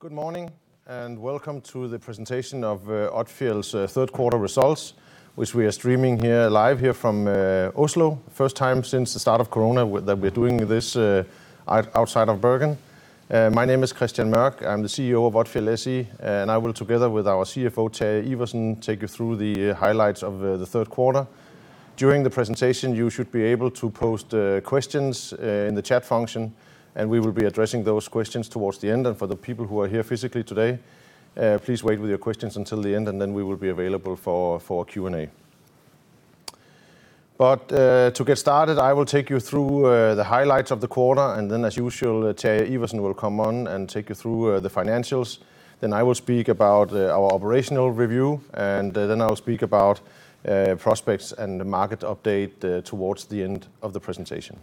Good morning, and welcome to the presentation of Odfjell's Third Quarter Results, which we are streaming here live here from Oslo. First time since the start of COVID-19 that we're doing this outside of Bergen. My name is Kristian Mørch. I'm the CEO of Odfjell SE, and I will, together with our CFO, Terje Iversen, take you through the highlights of the third quarter. During the presentation, you should be able to post questions in the chat function, and we will be addressing those questions towards the end. For the people who are here physically today, please wait with your questions until the end, and then we will be available for Q&A. To get started, I will take you through the highlights of the quarter. As usual, Terje Iversen will come on and take you through the financials. I will speak about our operational review, and then I will speak about prospects and the market update towards the end of the presentation.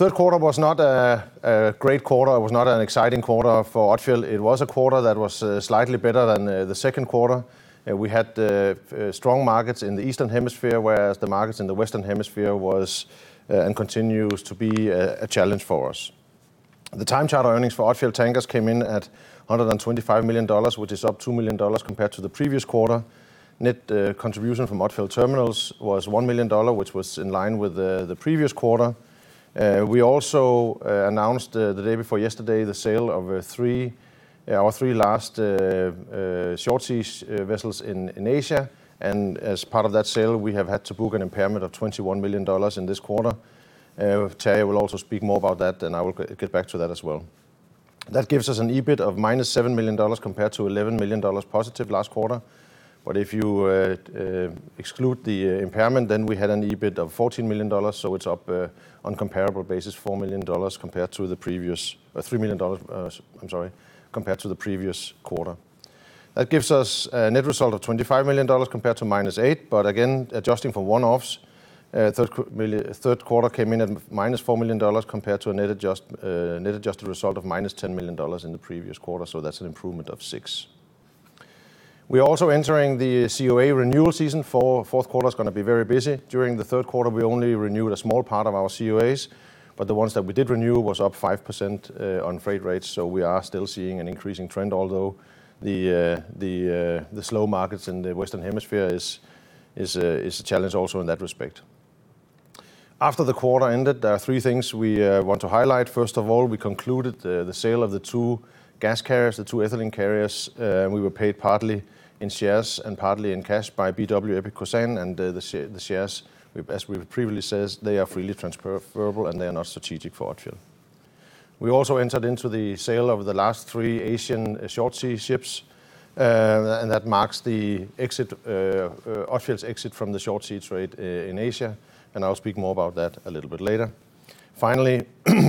Third quarter was not a great quarter. It was not an exciting quarter for Odfjell. It was a quarter that was slightly better than the second quarter. We had strong markets in the eastern hemisphere, whereas the markets in the western hemisphere was and continues to be a challenge for us. The time charter earnings for Odfjell Tankers came in at $125 million, which is up $2 million compared to the previous quarter. Net contribution from Odfjell Terminals was $1 million, which was in line with the previous quarter. We also announced, the day before yesterday, the sale of our three last short-sea vessels in Asia. As part of that sale, we have had to book an impairment of $21 million in this quarter. Terje will also speak more about that, and I will get back to that as well. That gives us an EBIT of $-7 million compared to $11+ million last quarter. If you exclude the impairment, then we had an EBIT of $14 million, so it's up on comparable basis $3 million, I'm sorry, compared to the previous quarter. That gives us a net result of $25 million compared to $-8 million. Again, adjusting for one-offs, third quarter came in at $-4 million compared to a net adjusted result of $-10 million in the previous quarter, so that's an improvement of $6 million. We're also entering the COA renewal season. Fourth quarter is gonna be very busy. During the third quarter, we only renewed a small part of our COAs, but the ones that we did renew was up 5% on freight rates, so we are still seeing an increasing trend, although the slow markets in the western hemisphere is a challenge also in that respect. After the quarter ended, there are three things we want to highlight. First of all, we concluded the sale of the two gas carriers, the two ethylene carriers. We were paid partly in shares and partly in cash by BW Epic Kosan. The shares, we, as we previously says, they are freely transferrable, and they are not strategic for Odfjell. We also entered into the sale of the last three Asian short-sea ships, and that marks the exit, Odfjell's exit from the short-sea trade in Asia, and I'll speak more about that a little bit later. Finally,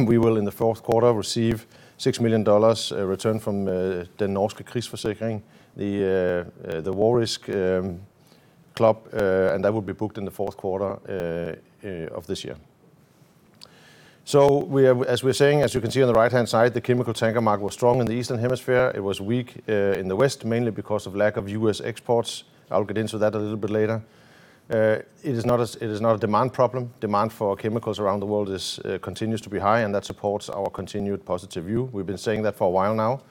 we will, in the fourth quarter, receive $6 million return from Den Norske Krigsforsikring, the war risk club, and that will be booked in the fourth quarter of this year. We are, as we're saying, as you can see on the right-hand side, the chemical tanker market was strong in the eastern hemisphere. It was weak in the west, mainly because of lack of U.S. exports. I'll get into that a little bit later. It is not a demand problem. Demand for chemicals around the world is continues to be high, and that supports our continued positive view. We've been saying that for a while now.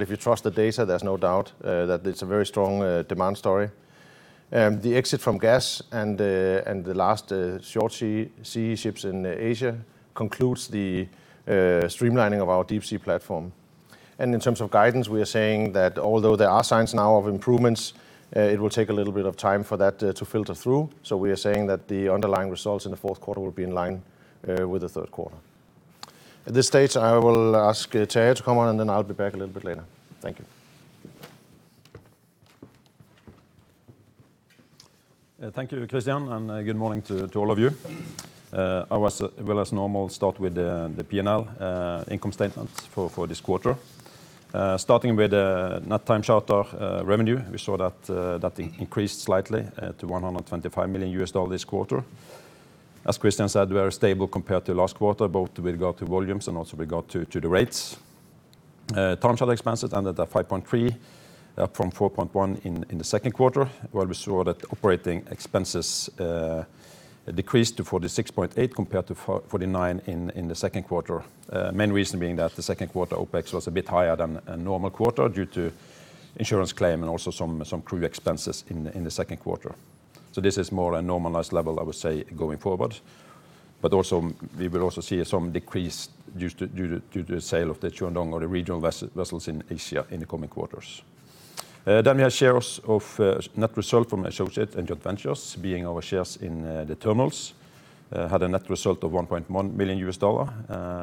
If you trust the data, there's no doubt that it's a very strong demand story. The exit from gas and the last short sea ships in Asia concludes the streamlining of our deep-sea platform. In terms of guidance, we are saying that although there are signs now of improvements, it will take a little bit of time for that to filter through. We are saying that the underlying results in the fourth quarter will be in line with the third quarter. At this stage, I will ask Terje to come on, and then I'll be back a little bit later. Thank you. Thank you, Kristian, and good morning to all of you. I will as normal start with the P&L income statement for this quarter. Starting with net time charter revenue, we saw that increased slightly to $125 million this quarter. As Kristian said, we are stable compared to last quarter, both with regard to volumes and also with regard to the rates. Time charter expenses ended at $5.3 million, up from $4.1 million in the second quarter. While we saw that operating expenses decreased to $46.8 million compared to $49 million in the second quarter. Main reason being that the second quarter OpEx was a bit higher than a normal quarter due to insurance claim and also some crew expenses in the second quarter. This is more a normalized level, I would say, going forward. We will see some decrease due to the sale of the Chuandong or the regional vessels in Asia in the coming quarters. Then we have shares of net result from associates and joint ventures, being our shares in the terminals, had a net result of $1.1 million.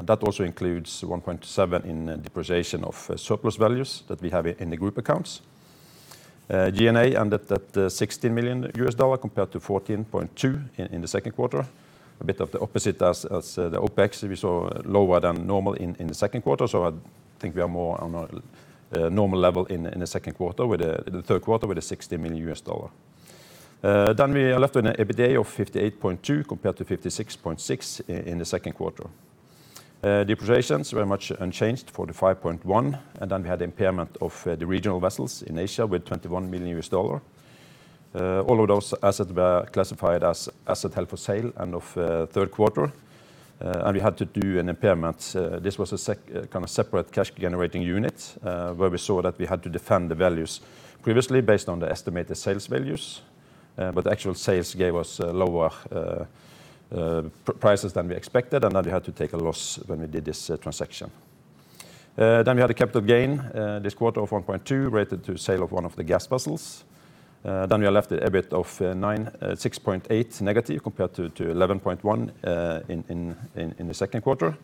That also includes 1.7 in depreciation of surplus values that we have in the group accounts. G&A ended at $16 million compared to $14.2 million in the second quarter. A bit of the opposite as the OpEx we saw lower than normal in the second quarter. I think we are more on a normal level in the second quarter with the third quarter with a $16 million. Then we are left with an EBITDA of $58.2 million compared to $56.6 million in the second quarter. Depreciations were much unchanged, $45.1 million, and then we had the impairment of the regional vessels in Asia with $21 million. All of those assets were classified as asset held for sale end of third quarter. We had to do an impairment. This was a kind of separate cash generating unit, where we saw that we had to defend the values previously based on the estimated sales values. Actual sales gave us lower prices than we expected and then we had to take a loss when we did this transaction. We had a capital gain this quarter of $1.2 million related to sale of one of the gas vessels. We are left with EBIT of $-6.8 million compared to $11.1 million in the second quarter.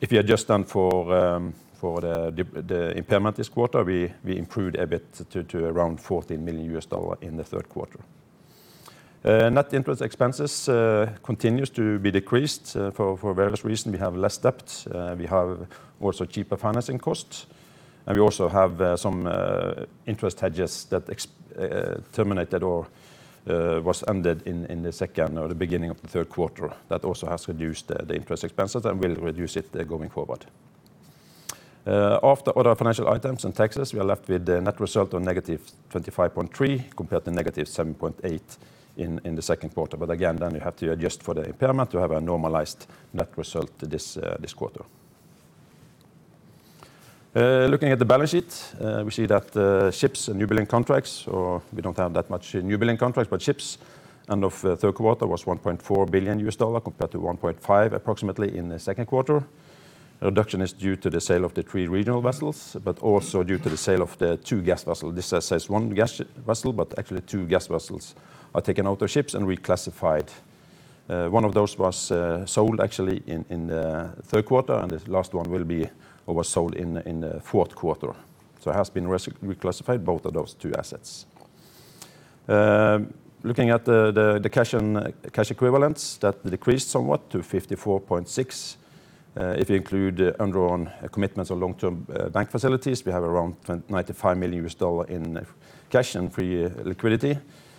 If you adjust then for the impairment this quarter, we improved a bit to around $14 million in the third quarter. Net interest expenses continues to be decreased for various reasons. We have less debt. We have also cheaper financing costs, and we also have some interest hedges that terminated or was ended in the second or the beginning of the third quarter. That also has reduced the interest expenses and will reduce it going forward. After other financial items and taxes, we are left with net result of $-25.3 milion compared to $-7.8 million in the second quarter. Again, then you have to adjust for the impairment to have a normalized net result this quarter. Looking at the balance sheet, we see that ships and newbuilding contracts, or we don't have that much newbuilding contracts, but ships, end of third quarter, was $1.4 billion compared to approximately $1.5 billion in the second quarter. Reduction is due to the sale of the three regional vessels, but also due to the sale of the two gas vessels. This says one gas vessel, but actually two gas vessels are taken out of ships and reclassified. One of those was sold actually in the third quarter, and the last one was sold in the fourth quarter. It has been reclassified, both of those two assets. Looking at the cash and cash equivalents, that decreased somewhat to $54.6 million. If you include undrawn commitments or long-term bank facilities, we have around $95 million in cash and free liquidity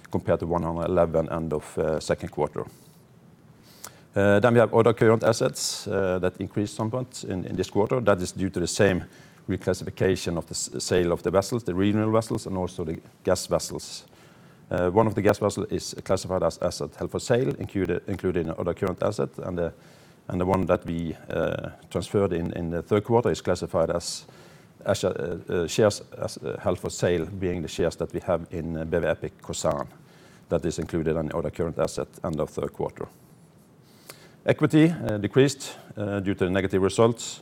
compared to $111 million end of second quarter. We have other current assets that increased somewhat in this quarter. That is due to the same reclassification of the sale of the vessels, the regional vessels, and also the gas vessels. One of the gas vessels is classified as asset held for sale, including other current assets, and the one that we transferred in the third quarter is classified as shares held for sale, being the shares that we have in BW Epic Kosan that is included in the other current assets end of third quarter. Equity decreased due to negative results.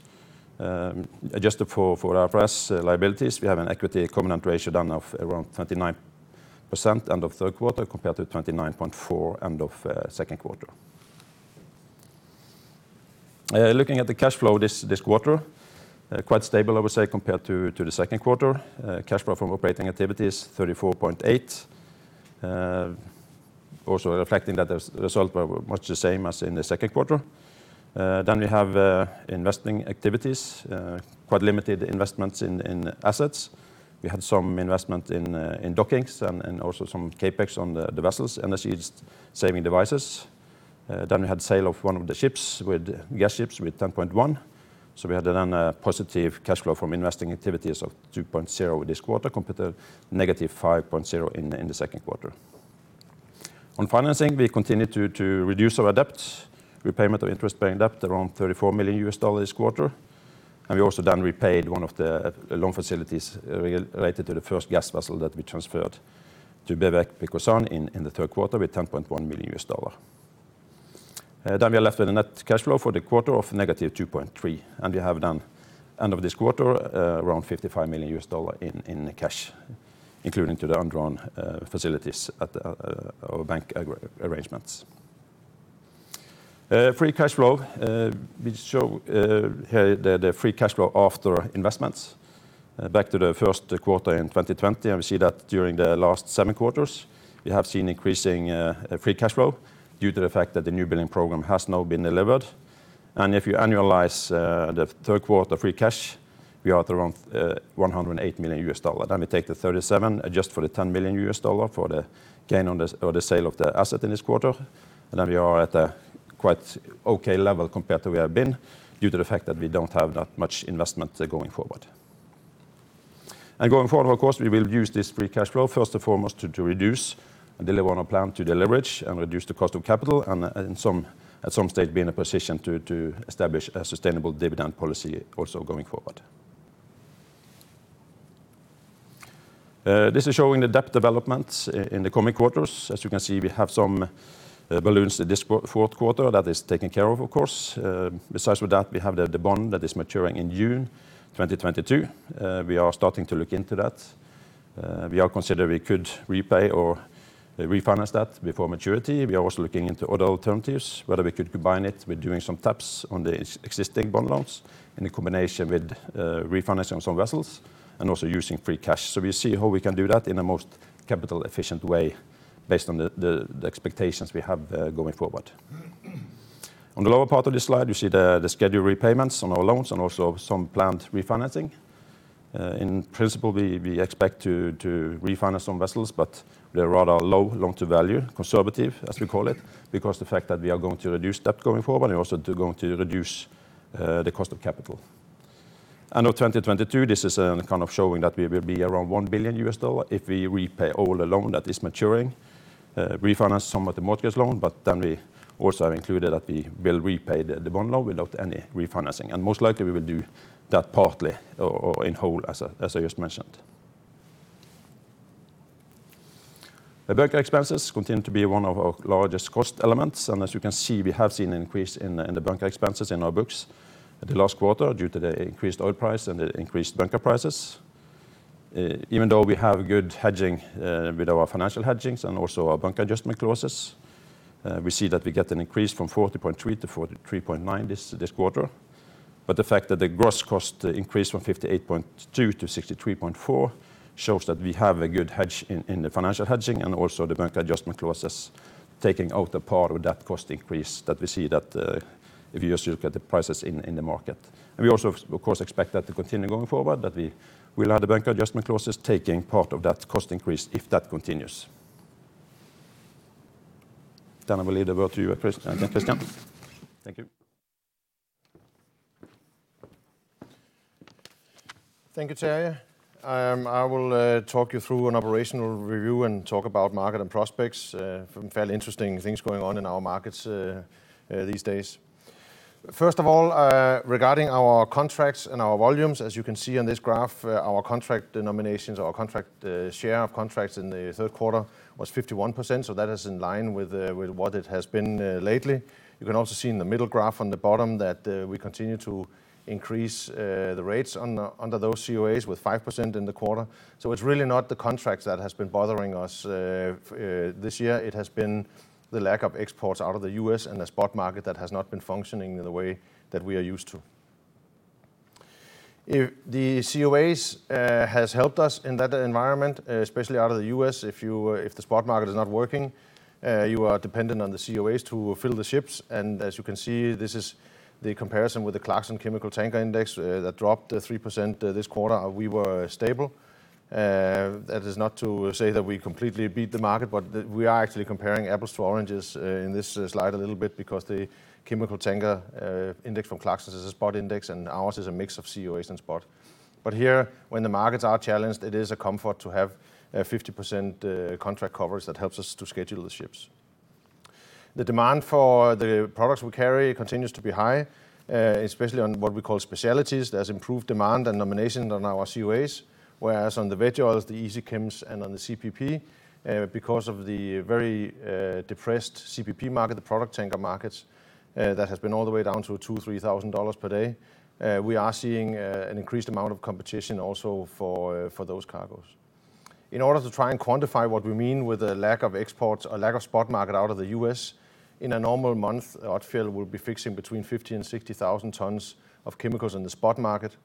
Adjusted for IFRS liabilities, we have an equity common ratio down of around 39% end of third quarter compared to 29.4% end of second quarter. Looking at the cash flow this quarter, quite stable I would say compared to the second quarter. Cash flow from operating activities, $34.8 million. Also reflecting that the result were much the same as in the second quarter. We have investing activities, quite limited investments in assets. We had some investment in dockings and also some CapEx on the vessels, energy saving devices. We had sale of one of the ships with a gain of $10.1 million. We had a positive cash flow from investing activities of $2.0 million this quarter compared to $-5.0 million in the second quarter. On financing, we continued to reduce our debt, repayment of interest-bearing debt, around $34 million this quarter. We also then repaid one of the loan facilities related to the first gas vessel that we transferred to BW Epic Kosan in the third quarter with $10.1 million. Then we are left with a net cash flow for the quarter of $-2.3 million. We have then, end of this quarter, around $55 million in cash, including the undrawn facilities at our bank arrangements. Free cash flow, we show here the free cash flow after investments, back to the first quarter in 2020. We see that during the last sevev quarters, we have seen increasing free cash flow due to the fact that the new building program has now been delivered. If you annualize the third quarter free cash, we are at around $108 million. Then we take the $37 million, adjust for the $10 million for the gain on the sale of the asset in this quarter. We are at a quite okay level compared to we have been due to the fact that we don't have that much investment going forward. Going forward, of course, we will use this free cash flow first and foremost to reduce and deliver on our plan to deleverage and reduce the cost of capital and at some stage be in a position to establish a sustainable dividend policy also going forward. This is showing the debt developments in the coming quarters. As you can see, we have some balloons this fourth quarter that is taken care of course. Besides with that, we have the bond that is maturing in June 2022. We are starting to look into that. We are considering we could repay or refinance that before maturity. We are also looking into other alternatives, whether we could combine it with doing some taps on the existing bond loans in the combination with refinancing some vessels and also using free cash. We see how we can do that in a most capital efficient way based on the expectations we have going forward. On the lower part of this slide, you see the scheduled repayments on our loans and also some planned refinancing. In principle, we expect to refinance some vessels, but we are rather low loan-to-value, conservative as we call it, because the fact that we are going to reduce debt going forward and also going to reduce the cost of capital. End of 2022, this is kind of showing that we will be around $1 billion if we repay all the loan that is maturing, refinance some of the mortgage loan, but then we also have included that we will repay the bond loan without any refinancing. Most likely, we will do that partly or in whole as I just mentioned. The bunker expenses continue to be one of our largest cost elements. As you can see, we have seen an increase in the bunker expenses in our books at the last quarter due to the increased oil price and the increased bunker prices. Even though we have good hedging with our financial hedging and also our bunker adjustment clauses, we see that we get an increase from $40.3 million to $43.9 million this quarter. The fact that the gross cost increase from $58.2million to $63.4million shows that we have a good hedge in the financial hedging and also the bunker adjustment clauses taking out a part of that cost increase that we see if you just look at the prices in the market. We also of course expect that to continue going forward, that we will have the bunker adjustment clauses taking part of that cost increase if that continues. I will leave the word to you, Kristian. Thank you, Kristian. Thank you. Thank you, Terje. I will talk you through an operational review and talk about market and prospects. Some fairly interesting things going on in our markets these days. First of all, regarding our contracts and our volumes, as you can see on this graph, our contract denominations or contract share of contracts in the third quarter was 51%, so that is in line with what it has been lately. You can also see in the middle graph on the bottom that we continue to increase the rates under those COAs with 5% in the quarter. It's really not the contracts that has been bothering us this year. It has been the lack of exports out of the U.S. and the spot market that has not been functioning the way that we are used to. If the COAs has helped us in that environment, especially out of the U.S., if the spot market is not working, you are dependent on the COAs to fill the ships. As you can see, this is the comparison with the Clarksons Chemical Tanker Index that dropped 3% this quarter. We were stable. That is not to say that we completely beat the market, but we are actually comparing apples to oranges in this slide a little bit because the chemical tanker index from Clarksons is a spot index, and ours is a mix of COAs and spot. Here, when the markets are challenged, it is a comfort to have 50% contract coverage that helps us to schedule the ships. The demand for the products we carry continues to be high, especially on what we call specialties. There's improved demand and nominations on our COAs, whereas on the veg oils, the easy chems, and on the CPP, because of the very depressed CPP market, the product tanker markets, that has been all the way down to $2,000-$3,000 per day, we are seeing an increased amount of competition also for those cargoes. In order to try and quantify what we mean with the lack of exports or lack of spot market out of the U.S., in a normal month, Odfjell will be fixing between 50,000 and 60,000 tons of chemicals in the spot market,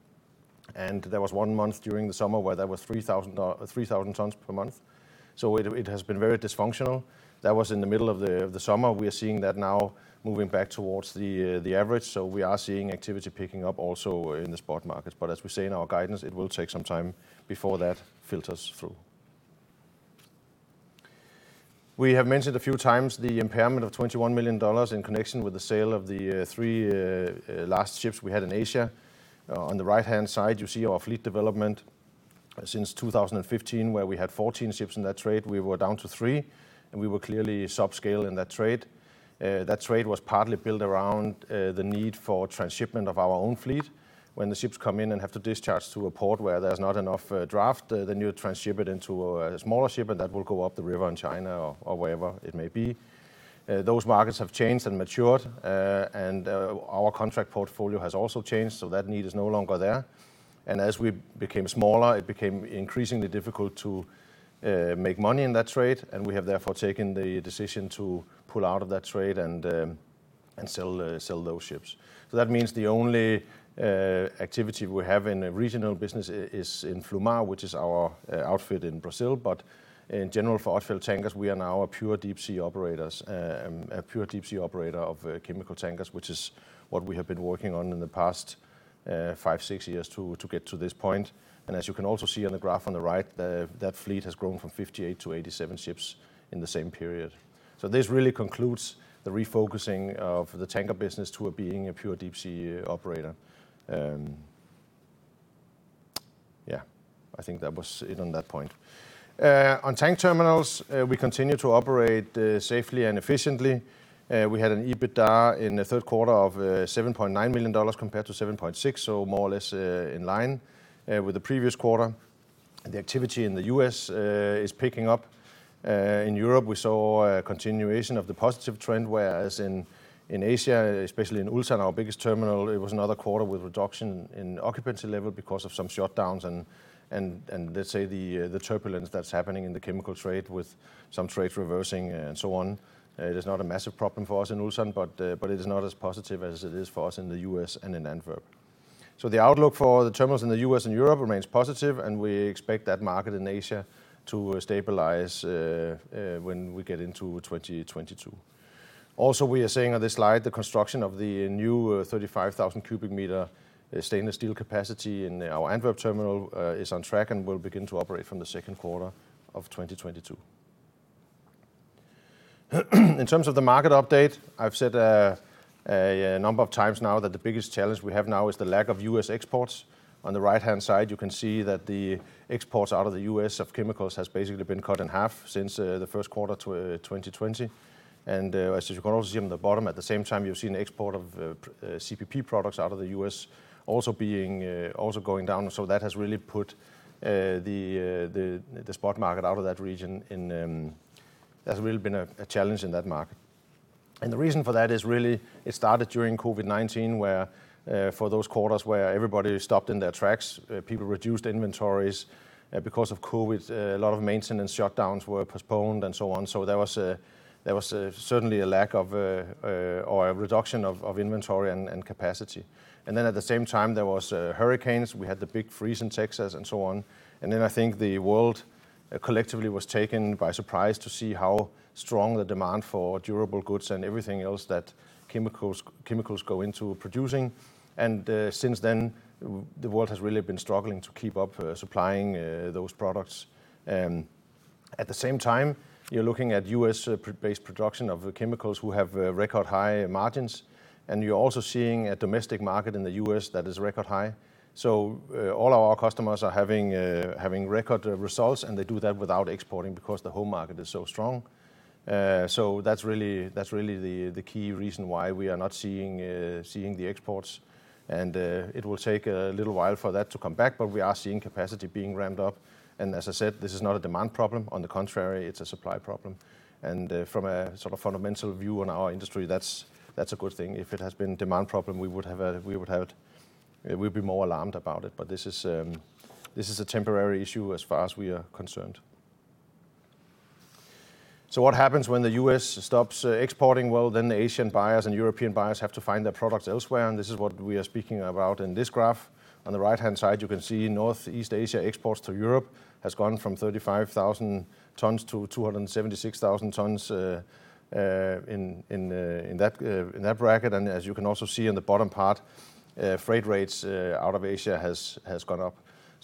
and there was one month during the summer where there was 3,000 tons per month. It has been very dysfunctional. That was in the middle of the summer. We are seeing that now moving back towards the average. We are seeing activity picking up also in the spot markets. As we say in our guidance, it will take some time before that filters through. We have mentioned a few times the impairment of $21 million in connection with the sale of the three last ships we had in Asia. On the right-hand side, you see our fleet development since 2015, where we had 14 ships in that trade. We were down to three, and we were clearly subscale in that trade. That trade was partly built around the need for transshipment of our own fleet. When the ships come in and have to discharge to a port where there's not enough draft, then you transship it into a smaller ship, and that will go up the river in China or wherever it may be. Those markets have changed and matured, and our contract portfolio has also changed, so that need is no longer there. As we became smaller, it became increasingly difficult to make money in that trade, and we have therefore taken the decision to pull out of that trade and sell those ships. That means the only activity we have in a regional business is in Flumar, which is our outfit in Brazil. In general, for Odfjell Tankers, we are now a pure deep-sea operator of chemical tankers, which is what we have been working on in the past five, six years to get to this point. As you can also see on the graph on the right, that fleet has grown from 58 to 87 ships in the same period. This really concludes the refocusing of the tanker business to being a pure deep-sea operator. Yeah, I think that was it on that point. On tank terminals, we continue to operate safely and efficiently. We had an EBITDA in the third quarter of $7.9 million compared to $7.6 million, so more or less in line with the previous quarter. The activity in the U.S. is picking up. In Europe, we saw a continuation of the positive trend, whereas in Asia, especially in Ulsan, our biggest terminal, it was another quarter with reduction in occupancy level because of some shutdowns and let's say the turbulence that's happening in the chemical trade with some trades reversing and so on. It is not a massive problem for us in Ulsan, but it is not as positive as it is for us in the U.S. and in Antwerp. The outlook for the terminals in the U.S. and Europe remains positive, and we expect that market in Asia to stabilize when we get into 2022. Also, we are seeing on this slide the construction of the new 35,000 cubic meter stainless steel capacity in our Antwerp terminal is on track and will begin to operate from the second quarter of 2022. In terms of the market update, I've said a number of times now that the biggest challenge we have now is the lack of U.S. exports. On the right-hand side, you can see that the exports out of the U.S. of chemicals has basically been cut in half since the first quarter 2020. As you can also see on the bottom, at the same time, you're seeing export of CPP products out of the U.S. also being also going down. That has really put the spot market out of that region in. That's really been a challenge in that market. The reason for that is really it started during COVID-19, where for those quarters where everybody stopped in their tracks, people reduced inventories because of COVID, a lot of maintenance shutdowns were postponed, and so on. There was certainly a lack of or a reduction of inventory and capacity. Then at the same time, there was hurricanes. We had the big freeze in Texas, and so on. Then I think the world collectively was taken by surprise to see how strong the demand for durable goods and everything else that chemicals go into producing. Since then, the world has really been struggling to keep up supplying those products. At the same time, you're looking at U.S.-based production of chemicals who have record high margins, and you're also seeing a domestic market in the U.S. that is record high. All our customers are having record results, and they do that without exporting because the home market is so strong. That's really the key reason why we are not seeing the exports. It will take a little while for that to come back, but we are seeing capacity being ramped up. As I said, this is not a demand problem. On the contrary, it's a supply problem. From a sort of fundamental view on our industry, that's a good thing. If it has been demand problem, we'd be more alarmed about it. This is a temporary issue as far as we are concerned. What happens when the U.S. stops exporting? Well, then the Asian buyers and European buyers have to find their products elsewhere, and this is what we are speaking about in this graph. On the right-hand side, you can see Northeast Asia exports to Europe has gone from 35,000 tons to 276,000 tons in that bracket. As you can also see in the bottom part, freight rates out of Asia has gone up.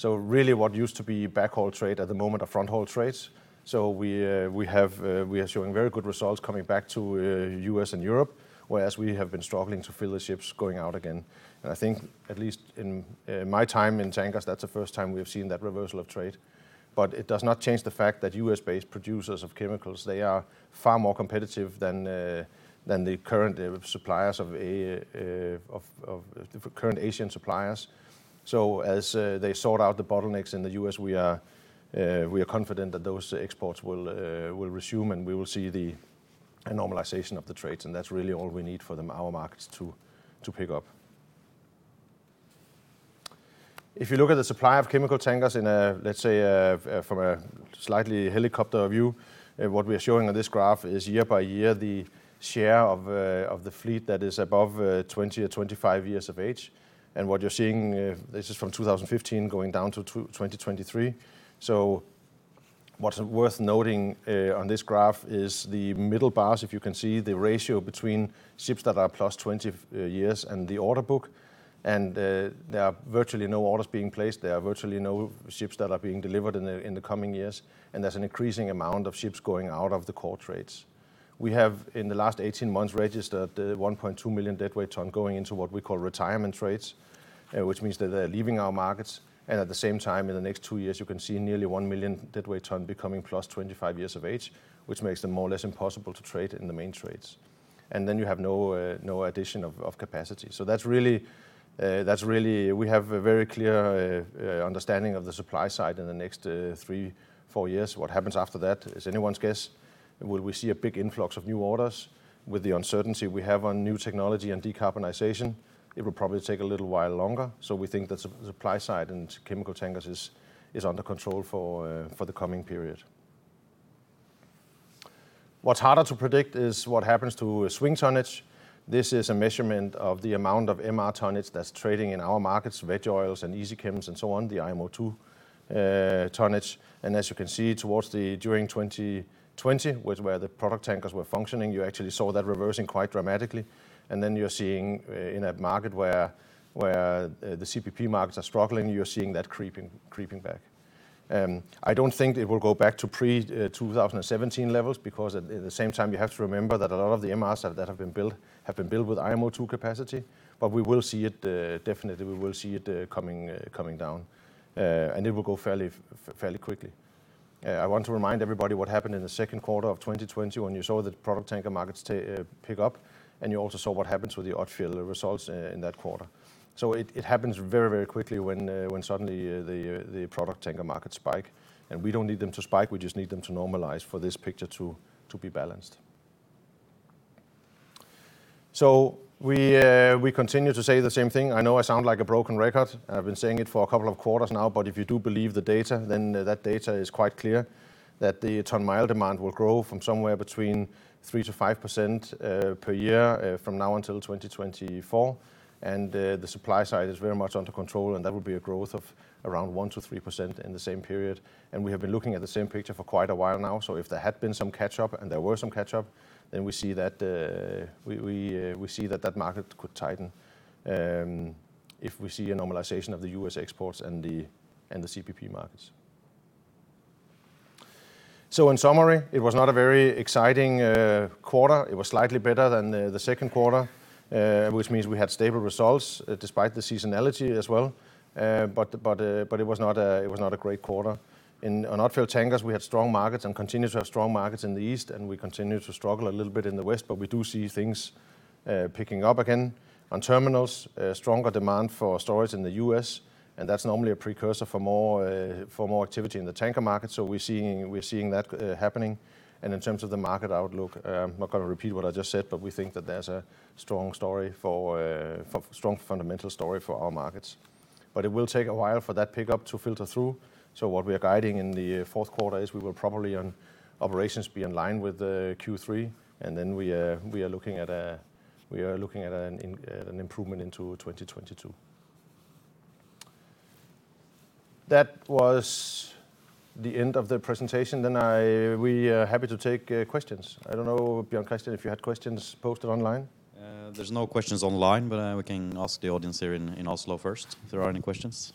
Really what used to be backhaul trade at the moment are front haul trades. We are showing very good results coming back to U.S. and Europe, whereas we have been struggling to fill the ships going out again. I think at least in my time in tankers, that's the first time we've seen that reversal of trade. It does not change the fact that U.S.-based producers of chemicals, they are far more competitive than the current suppliers of current Asian suppliers. As they sort out the bottlenecks in the U.S., we are confident that those exports will resume, and we will see the normalization of the trades, and that's really all we need for our markets to pick up. If you look at the supply of chemical tankers in a, let's say, from a slightly helicopter view, what we are showing on this graph is year by year, the share of the fleet that is above 20 or 25 years of age. What you're seeing, this is from 2015 going down to 2023. What's worth noting on this graph is the middle bars, if you can see the ratio between ships that are 20+ years and the order book, and there are virtually no orders being placed. There are virtually no ships that are being delivered in the coming years, and there's an increasing amount of ships going out of the core trades. We have, in the last 18 months, registered 1.2 million deadweight tons going into what we call retirement trades, which means that they're leaving our markets. At the same time, in the next two years, you can see nearly 1 million deadweight tons becoming 25+ years of age, which makes them more or less impossible to trade in the main trades. Then you have no addition of capacity. That's really we have a very clear understanding of the supply side in the next three to four years. What happens after that is anyone's guess. Will we see a big influx of new orders? With the uncertainty we have on new technology and decarbonization, it will probably take a little while longer. We think that supply side and chemical tankers is under control for the coming period. What's harder to predict is what happens to swing tonnage. This is a measurement of the amount of MR tonnage that's trading in our markets, veg oils and easy chems and so on, the IMO II tonnage. As you can see during 2020, where the product tankers were functioning, you actually saw that reversing quite dramatically. You're seeing in a market where the CPP markets are struggling, you're seeing that creeping back. I don't think it will go back to pre-2017 levels, because at the same time, you have to remember that a lot of the MRs that have been built have been built with IMO II capacity. We will definitely see it coming down, and it will go fairly quickly. I want to remind everybody what happened in the second quarter of 2020 when you saw the product tanker markets pick up, and you also saw what happened with the Odfjell results in that quarter. It happens very, very quickly when suddenly the product tanker markets spike, and we don't need them to spike. We just need them to normalize for this picture to be balanced. We continue to say the same thing. I know I sound like a broken record. I've been saying it for a couple of quarters now. If you do believe the data, then that data is quite clear that the ton-mile demand will grow from somewhere between 3%-5% per year from now until 2024. The supply side is very much under control, and that will be a growth of around 1%-3% in the same period. We have been looking at the same picture for quite a while now. If there had been some catch up, and there were some catch up, then we see that that market could tighten. If we see a normalization of the U.S. exports and the CPP markets. In summary, it was not a very exciting quarter. It was slightly better than the second quarter, which means we had stable results despite the seasonality as well. It was not a great quarter. On Odfjell Tankers, we had strong markets and continue to have strong markets in the East, and we continue to struggle a little bit in the West, but we do see things picking up again. On terminals, a stronger demand for storage in the U.S., and that's normally a precursor for more activity in the tanker market. We're seeing that happening. In terms of the market outlook, I'm not gonna repeat what I just said, but we think that there's a strong fundamental story for our markets. It will take a while for that pickup to filter through. What we are guiding in the fourth quarter is we will probably on operations be in line with the Q3, and then we are looking at an improvement into 2022. That was the end of the presentation. We are happy to take questions. I don't know, Bjørn Kristian, if you had questions posted online. There's no questions online, but we can ask the audience here in Oslo first if there are any questions.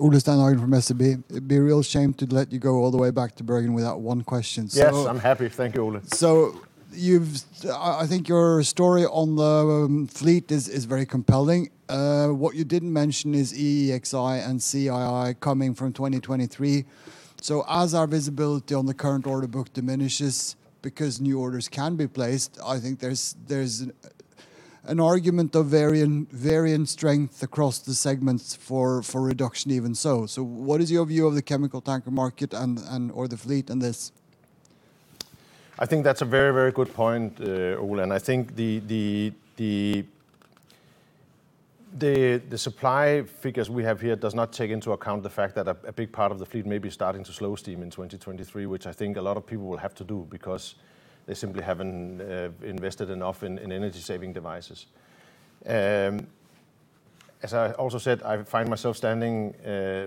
Ole Stenhagen from SEB. It'd be a real shame to let you go all the way back to Bergen without one question. Yes, I'm happy. Thank you, Ole. I think your story on the fleet is very compelling. What you didn't mention is EEXI and CII coming from 2023. As our visibility on the current order book diminishes because new orders can be placed, I think there's an argument of varying strength across the segments for reduction even so. What is your view of the chemical tanker market and or the fleet in this? I think that's a very, very good point, Ole, and I think the supply figures we have here does not take into account the fact that a big part of the fleet may be starting to slow steaming in 2023, which I think a lot of people will have to do because they simply haven't invested enough in energy-saving devices. As I also said, I find myself standing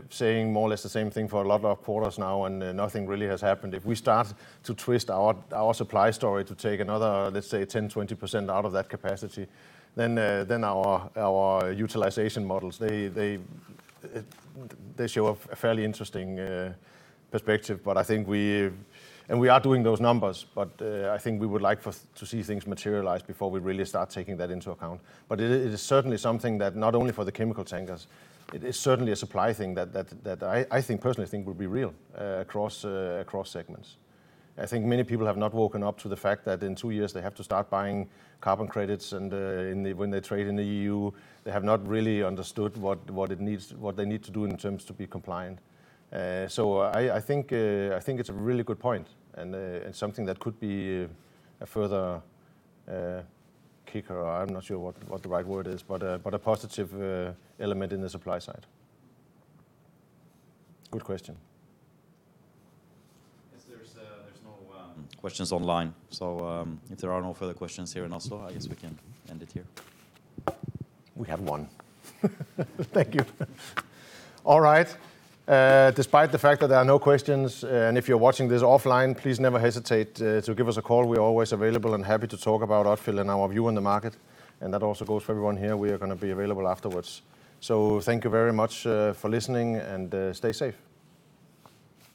saying more or less the same thing for a lot of our quarters now, and nothing really has happened. If we start to twist our supply story to take another, let's say, 10%, 20% out of that capacity, then our utilization models, they show a fairly interesting perspective. But I think we... We are doing those numbers, but I think we would like to see things materialize before we really start taking that into account. It is certainly something, not only for the chemical tankers, it is certainly a supply thing that I think personally will be real across segments. I think many people have not woken up to the fact that in two years they have to start buying carbon credits and when they trade in the EU. They have not really understood what it means, what they need to do in order to be compliant. I think it's a really good point and something that could be a further kicker. I'm not sure what the right word is, but a positive element in the supply side. Good question. Yes, there's no questions online. If there are no further questions here in Oslo, I guess we can end it here. We have one. Thank you. All right. Despite the fact that there are no questions, and if you're watching this offline, please never hesitate to give us a call. We are always available and happy to talk about Odfjell and our view on the market. That also goes for everyone here. We are gonna be available afterwards. Thank you very much for listening and stay safe.